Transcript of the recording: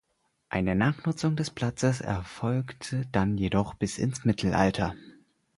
Eine Nachnutzung des Platzes erfolgte dann jedoch bis ins Mittelalter.